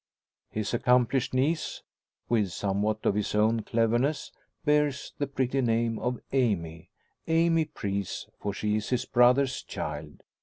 His accomplished niece, with somewhat of his own cleverness, bears the pretty name of Amy Amy Preece, for she is his brother's child.